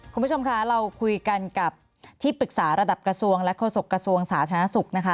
คุณผู้ชมคะเราคุยกันกับที่ปรึกษาระดับกระทรวงและโฆษกระทรวงสาธารณสุขนะคะ